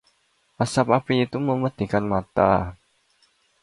asap api itu memedihkan mata